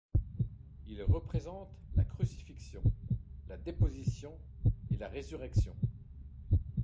Ils représentent la Crucifixion, la Déposition et la Résurrection.